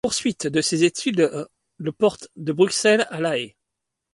La poursuite de ses études le porte de Bruxelles à La Haye.